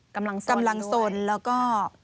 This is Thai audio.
กำลังสนแล้วก็